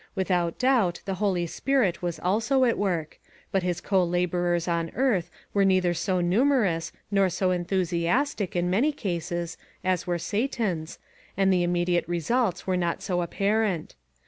Without doubt the Holy Spirit was also at work; but his co laborers on earth were neither so numerous, nor so enthusiastic, in many cases, as were Satan's, and the immediate results were not so apparent.